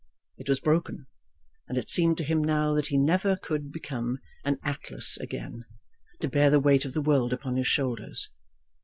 It was broken, and it seemed to him now that he never could become an Atlas again, to bear the weight of the world upon his shoulders.